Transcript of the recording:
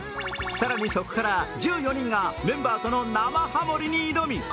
更に、そこから１４人がメンバーとの生ハモりに挑み